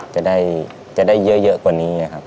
จะได้เยอะกว่านี้